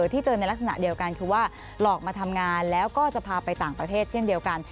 ที่เจอในลักษณะเดียวกันคือว่าหลอกมาทำงานแล้วก็จะพาไปต่างประเทศเช่นเดียวกัน